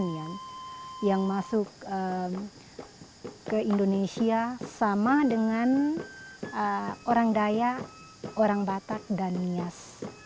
yang masuk ke indonesia sama dengan orang daya orang batak dan nias